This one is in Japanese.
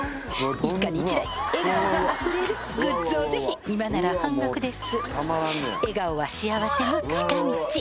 一家に一台笑顔があふれるグッズをぜひ今なら半額です笑顔は幸せの近道